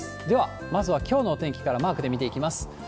では、まずはきょうのお天気からマークで見ていきます。